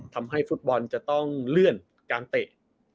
ทำให้ฟุตบอลจะต้องเลื่อนการเตะ